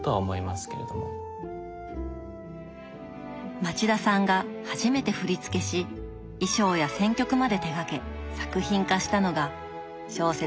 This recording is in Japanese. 町田さんが初めて振付し衣装や選曲まで手がけ作品化したのが小説